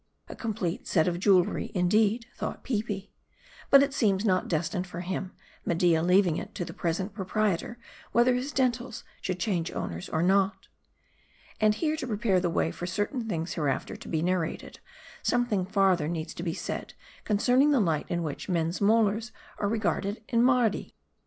A complete set of jewelry, indeed, thought Peepi. But, it seems, not destined for him ; Media leaving it to the present proprietor, whether his dentals should change owners or not. And here, to prepare the way for certain things hereafter to be narrated, something farther needs be said concerning the light in which men's molars are regarded in Mardi.